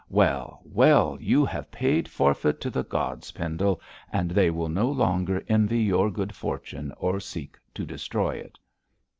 Well, well, you have paid forfeit to the gods, Pendle, and they will no longer envy your good fortune, or seek to destroy it.'